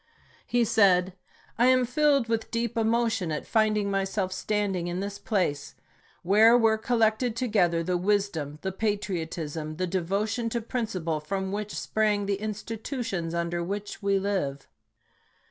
He said : I am filled with deep emotion at finding myself stand ing in this place, where were collected together the wisdom, the patriotism, the devotion to principle from which sprang the institutions under which we live.